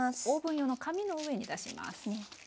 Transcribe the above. オーブン用の紙の上に出します。